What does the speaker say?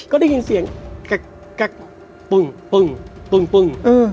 ก็ได้ยินเสียงแก๊กปึ้งปึ้งปึ้งปึ้ง